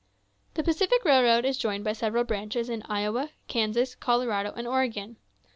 The Pacific Railroad is joined by several branches in Iowa, Kansas, Colorado, and Oregon.